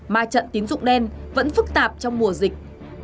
ma trận tín dụng đen vẫn phức tạp trong mùa dịch